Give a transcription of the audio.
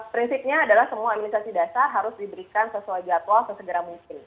prinsipnya adalah semua administrasi dasar harus diberikan sesuai jadwal sesegera mungkin